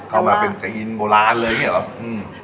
เอามาเป็นเจียงอินโบราณเลยเนี่ยหรอ